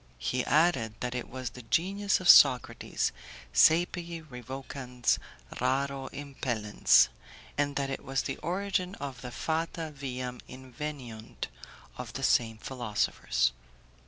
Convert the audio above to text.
'" He added that it was the genius of Socrates, 'saepe revocans, raro impellens'; and that it was the origin of the 'fata viam inveniunt' of the same philosophers.